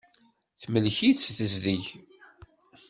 Temlek-itt tezdeg.